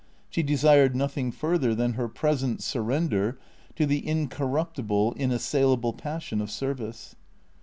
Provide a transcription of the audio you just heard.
She desired nothing further than her present surrender to the incorruptible, inassailable passion of service.